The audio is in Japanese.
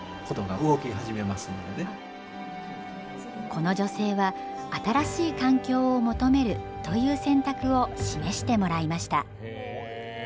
この女性は新しい環境を求めるという選択を示してもらいました。